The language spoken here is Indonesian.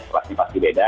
kelasnya pasti beda